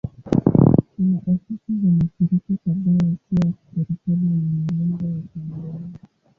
Ina ofisi za mashirika kadhaa yasiyo ya kiserikali yenye malengo ya maendeleo.